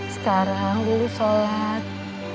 sekarang lu sholat